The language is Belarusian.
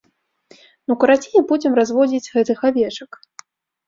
Ну, карацей, будзем разводзіць гэтых авечак.